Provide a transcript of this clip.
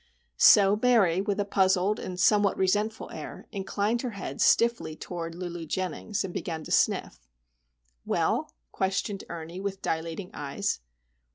So Mary, with a puzzled and somewhat resentful air, inclined her head stiffly toward Lulu Jennings and began to sniff. "Well?" questioned Ernie, with dilating eyes.